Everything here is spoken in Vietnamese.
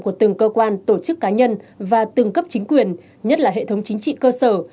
của từng cơ quan tổ chức cá nhân và từng cấp chính quyền nhất là hệ thống chính trị cơ sở